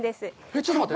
ちょっと待って。